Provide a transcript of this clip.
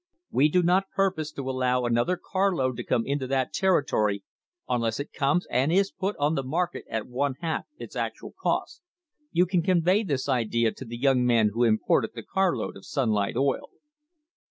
We do not purpose to allow another carload to come into that territory unless it comes and is put on the market at one half its actual cost. You can convey this idea to the young man who imported the carload of 'Sunlight' oil."